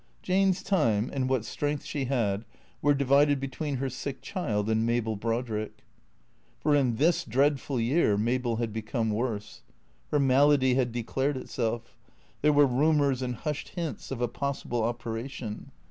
Jane's time and what strength she had were divided between her sick child and Mabel Brodrick. For in this dreadful year Mabel had become worse. Her malady had declared itself. There were rumours and hushed hints of a possible operation.